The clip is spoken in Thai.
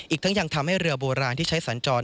อีกทั้งยังทำให้เรือโบราณที่ใช้สัญจร